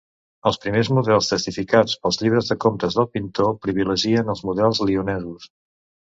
Els primers models testificats pels llibres de comptes del pintor privilegien els models lionesos.